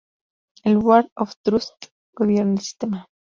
El "board of trustees" gobierna el sistema.